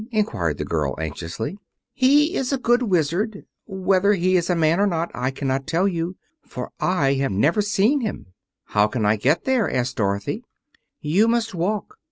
inquired the girl anxiously. "He is a good Wizard. Whether he is a man or not I cannot tell, for I have never seen him." "How can I get there?" asked Dorothy. "You must walk.